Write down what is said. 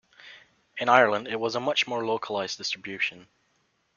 In Ireland, it has a much more localised distribution.